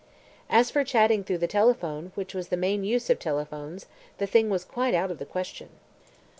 As for chatting through the telephone, which was the main use of telephones, the thing was quite out of the question.